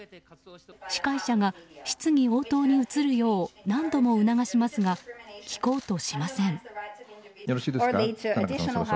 司会者が質疑応答に移るよう何度も促しますが聞こうとしません。